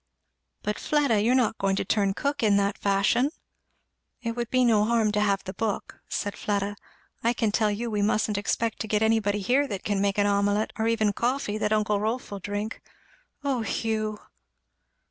"But, Fleda! you're not going to turn cook in that fashion?" "It would be no harm to have the book," said Fleda. "I can tell you we mustn't expect to get anybody here that can make an omelette, or even coffee, that uncle Rolf will drink. Oh Hugh!